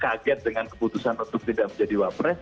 kaget dengan keputusan untuk tidak menjadi wapres